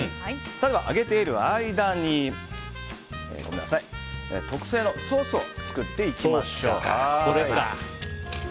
では、揚げている間に特製のソースを作っていきましょうか。